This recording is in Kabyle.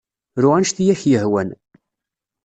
Ru anect ay ak-yehwan.